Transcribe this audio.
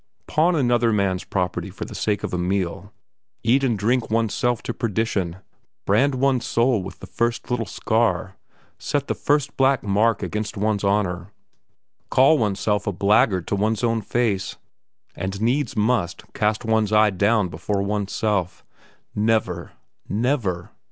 Pawn another man's property for the sake of a meal, eat and drink one's self to perdition, brand one's soul with the first little scar, set the first black mark against one's honour, call one's self a blackguard to one's own face, and needs must cast one's eyes down before one's self? Never! never!